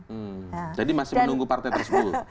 jadi masih menunggu partai tersebut